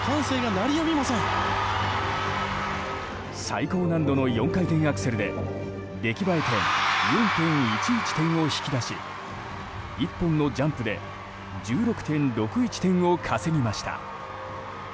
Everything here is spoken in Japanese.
最高難度の４回転アクセルで出来栄え点４．１１点を引き出し１本のジャンプで１６．６１点を稼ぎました。